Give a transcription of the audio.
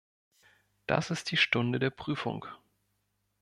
Das ist die Stunde der Prüfung.